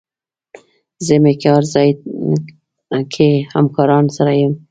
زه مې کار ځای کې همکارانو سره یم.